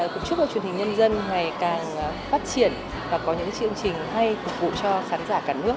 cũng chúc cho truyền hình nhân dân ngày càng phát triển và có những chương trình hay phục vụ cho khán giả cả nước